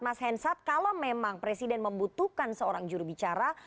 mas hensat kalau memang presiden membutuhkan seorang jurubicara